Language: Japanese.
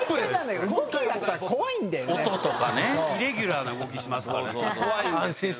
イレギュラーな動きしますから。